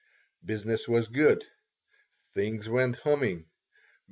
Business was good. Things went humming.